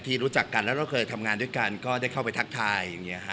รู้จักกันแล้วก็เคยทำงานด้วยกันก็ได้เข้าไปทักทายอย่างนี้ฮะ